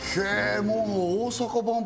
もう大阪万博